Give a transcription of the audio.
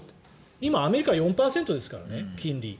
今、アメリカは４％ですからね金利。